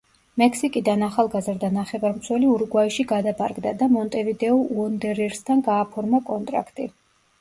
მექსიკიდან ახალგაზრდა ნახევარმცველი ურუგვაიში გადაბარგდა და „მონტევიდეო უონდერერსთან“ გააფორმა კონტრაქტი.